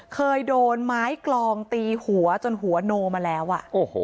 เคยโดนไม้กลองตีหัวจนหัวโนมาแล้วอ่ะโอ้โห